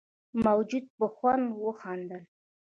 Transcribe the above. موجود په خوند وخندل.